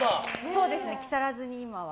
そうですね、木更津に今は。